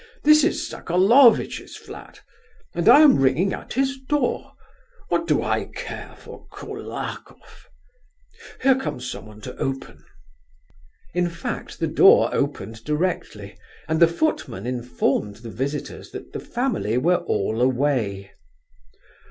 This is Sokolovitch's flat, and I am ringing at his door.... What do I care for Koulakoff?... Here comes someone to open." In fact, the door opened directly, and the footman informed the visitors that the family were all away.